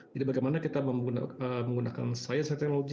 jadi bagaimana kita menggunakan sains dan teknologi